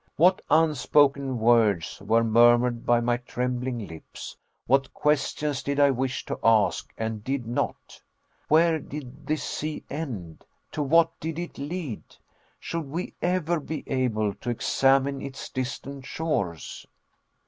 What unspoken words were murmured by my trembling lips what questions did I wish to ask and did not! Where did this sea end to what did it lead? Should we ever be able to examine its distant shores?